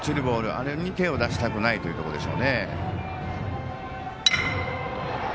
あれに手を出したくないというところでしょう。